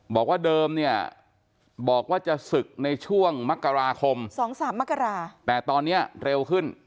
บอกว่าเดิมบอกว่าจะศึกในช่วงมรรตาคมแต่ตอนนี้เร็วขึ้น